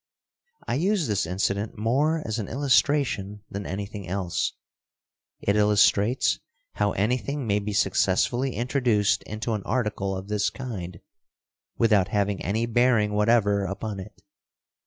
I use this incident more as an illustration than anything else. It illustrates how anything may be successfully introduced into an article of this kind without having any bearing whatever upon it.